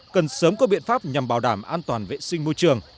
cần sớm có biện pháp nhằm bảo đảm an toàn vệ sinh môi trường